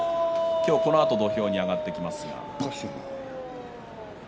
今日このあと土俵に上がってきます。